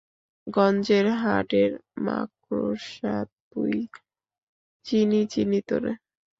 গঞ্জের হাডের মাকোড়সা তুই, চিনি চিনি তোরে।